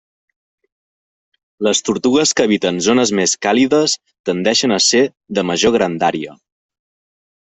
Les tortugues que habiten zones més càlides tendeixen a ser de major grandària.